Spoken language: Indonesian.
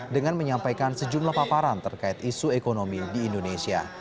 dengan menyampaikan sejumlah paparan terkait isu ekonomi di indonesia